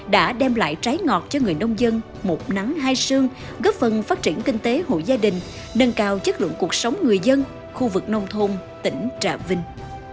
đã đem lại trái ngọt cho người nông dân một nắng hai sương góp phần phát triển kinh tế hội gia đình nâng cao chất lượng cuộc sống người dân khu vực nông thôn tỉnh trà vinh